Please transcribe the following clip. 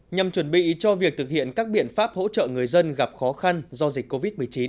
nhằm chuẩn bị cho việc thực hiện các biện pháp hỗ trợ người dân gặp khó khăn do dịch covid một mươi chín